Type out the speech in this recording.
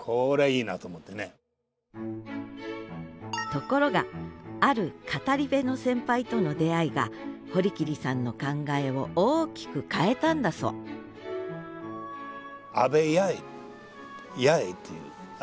ところがある語り部の先輩との出会いが堀切さんの考えを大きく変えたんだそうヤヱさん。